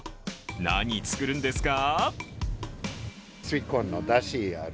何作るんですか？